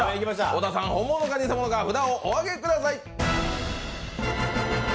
小田さん、本物か偽物か札をおあげください。